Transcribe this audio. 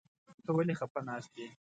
ته ولې خپه ناست يې ؟